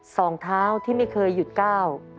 สองเท้าที่ไม่เคยหยุดก้าว